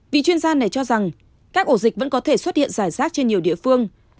vì chuyên gia này cho rằng các ổ dịch vẫn có thể xuất hiện rải rác trên nhiều địa phương